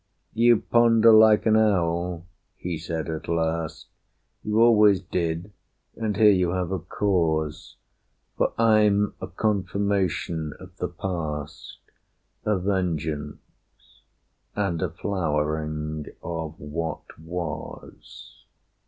"You ponder like an owl," he said at last; "You always did, and here you have a cause. For I'm a confirmation of the past, A vengeance, and a flowering of what was.